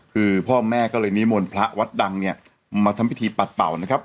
คือพ่อแม่ก็เลยนิมนต์พระวัดดังเนี่ยมาทำพิธีปัดเป่านะครับ